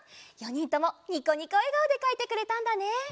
４にんともニコニコえがおでかいてくれたんだね。